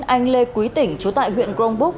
anh lê quý tỉnh chú tại huyện grongbúc